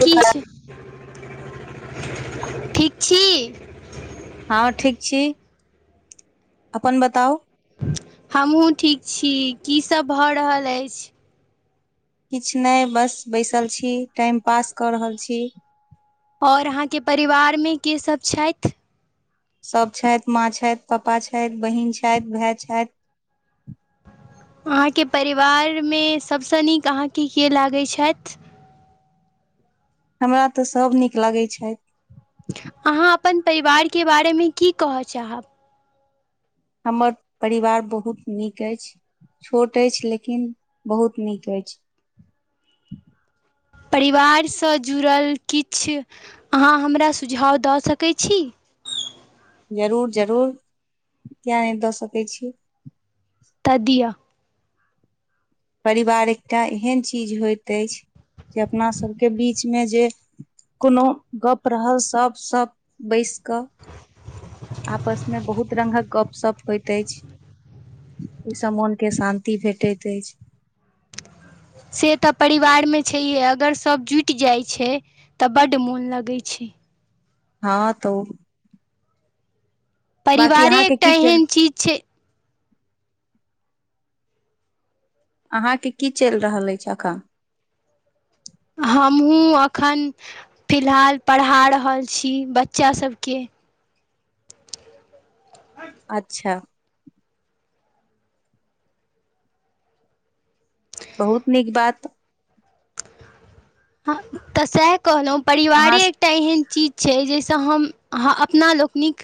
ठीक छी। ठीक छी? हँ, ठीक छी। अपन बताउ। हमहूँ ठीक छी। कीसभ भऽ रहल अछि? किछु नहि। बस बैसल छी, टाइम पास कऽ रहल छी। आओर अहाँके परिवारमे केसब छथि? सभ छथि। माँ छथि, पापा छथि, बहीन छथि, भाय छथि। अहाँके परिवारमे सभसँ नीक अहाँके के लागै छथि? हमरा तऽ सभ नीक लागै छथि। अहाँ अपन परिवारके बारेमे की कहऽ चाहब? हमर परिवार बहुत नीक अछि। छोट अछि, लेकिन बहुत नीक अछि। परिवारसँ जुड़ल किछु अहाँ हमरा सुझाव दऽ सकै छी? जरूर जरूर। किए नहि दऽ सकै छी। तऽ दिअ। परिवार एकटा एहन चीज होइत अछि, जे अपना सबके बीचमे जे कोनो गप्प रहल, सब सब बैस कऽ आपसमे बहुत रंगक गप्प सप्प होइत अछि। ओहिसँ मोनके शान्ति भेटैत अछि। से तऽ परिवारमे छैहे। अगर सभ जुटि जाइ छै, तऽ बड्ड मोन लगै छै। हँ तऽ ओ परिवारे एकटा चलि एहेन चीज छै अहाँके की चलि रहल अछि एखन? हमहूँ एखन फिलहाल पढ़ा रहल छी बच्चासभके। अच्छा। बहुत नीक बात। हँ तऽ सएह कहलौँ, अहाँ परिवारे एकटा एहेन चीज छै, जाहिसँ हम ह् अपना लोकनिक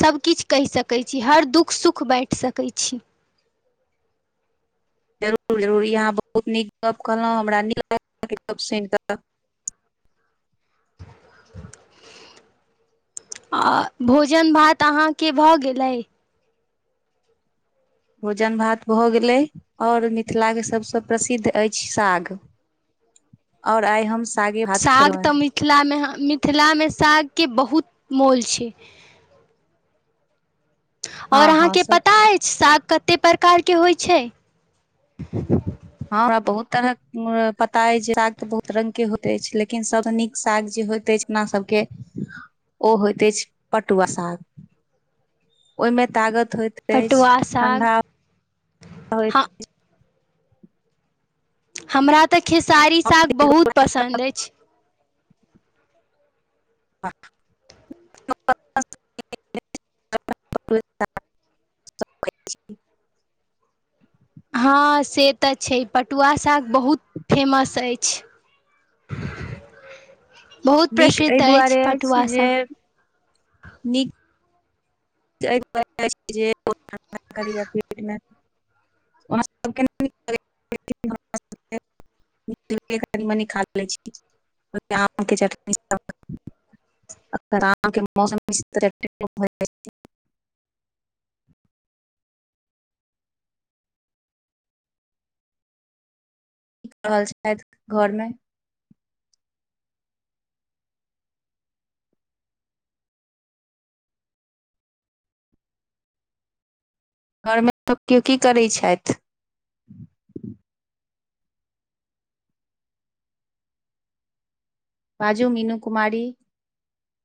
सभकिछु कहि सकैत छी, हर दुःख-सुख बाँटि सकै छी। जरूर जरूर। ई अहाँ बहुत नीक गप्प कहलहुँ। हमरा नीक लागल अहाँके गप्प सुनि कऽ। अ भोजन-भात अहाँके भऽ गेलै? भोजन-भात भऽ गेलै, और मिथिलाके सभसँ प्रसिद्ध अछि साग। और आइ हम स्- साग तऽ मिथिलामे ह् मिथिलामे साग के बहुत मोल छै। आओर हँ हँ अहाँके सब पता अछि साग कत्ते प्रकारके होइ छै? हँ, हमरा बहुत तरहक अ पता अछि, जे साग तऽ बहुत रंगके होइत अछि, लेकिन सभसँ नीक साग जे होइत अछि अपना सबके, ओ होइत अछि पटुआ साग। ओहिमे तागत होइत अछि पटुआ साग ठण्डा होइत हँ [unintelligible] हमरा तऽ खेसारी साग बहुत पसन्द अछि। [unintelligible] हँ, से तऽ छै। पटुआ साग बहुत फेमस अछि। बहुत नीक प्रसिद्ध एहि अछि दुआरे पटुआ जे साग। नीक [unintelligible] बहुत ठण्डा करैके पेटमे [unintelligible] कनि-मनि खा दै छी [unintelligible] माँके चटनीसभ [unintelligible] माँके मौसम [unintelligible] की कऽ रहल छथि घरमे? घरमे सभ की-की करै छथि? बाजू मीनू कुमारी।